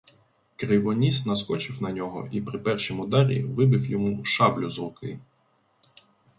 Кривоніс наскочив на нього і при першім ударі вибив йому шаблю з руки.